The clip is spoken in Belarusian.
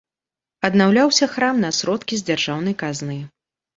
Аднаўляўся храм на сродкі з дзяржаўнай казны.